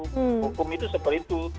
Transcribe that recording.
hukum itu seperti itu